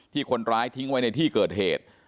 คนร้ายทิ้งไว้ในที่เกิดเหตุ